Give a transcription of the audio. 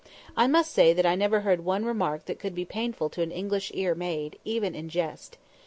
I must say that I never heard one remark that could be painful to an English ear made, even in jest.